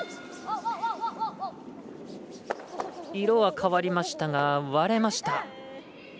色は変わりましたが割れました。